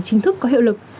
chính thức có hiệu lực